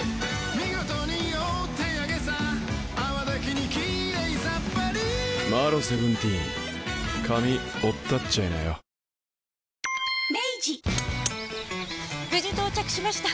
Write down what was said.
ニトリ無事到着しました！